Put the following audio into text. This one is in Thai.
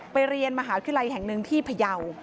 เรียนมหาวิทยาลัยแห่งหนึ่งที่พยาว